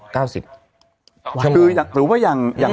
ก็เป็นอักษรภาพบางอย่าง